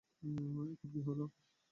এখন কী হলো?